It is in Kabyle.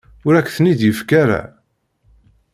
Ur ak-ten-id-yefki ara.